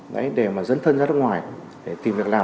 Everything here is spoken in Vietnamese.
đấy để mà dẫn thân ra nước ngoài để tìm việc làm